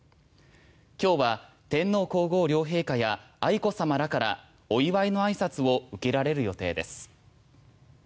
今日は天皇・皇后両陛下や愛子さまらからお祝いの挨拶を受けられる予定です。